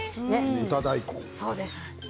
豚大根。